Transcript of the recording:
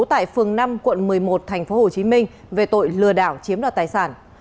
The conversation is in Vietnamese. tại phường năm quận một mươi một tp hcm về tội lừa đảo chiếm đoạt tài sản